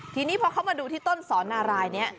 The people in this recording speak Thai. ทีนี้พอเขามาดูที่ต้นสอนนารายนี้